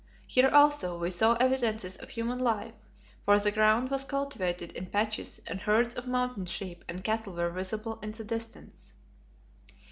Here also we saw evidences of human life, for the ground was cultivated in patches and herds of mountain sheep and cattle were visible in the distance.